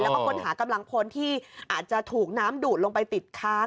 แล้วก็ค้นหากำลังพลที่อาจจะถูกน้ำดูดลงไปติดค้าง